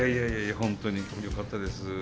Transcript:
本当によかったです。